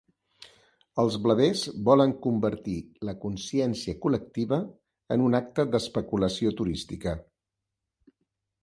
Els blavers volen convertir la consciència col·lectiva en un acte d'especulació turística.